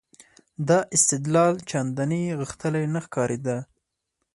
دا استدلال چندانې غښتلی نه ښکارېده.